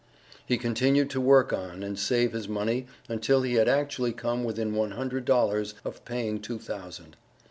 He continued to work on and save his money until he had actually come within one hundred dollars of paying two thousand.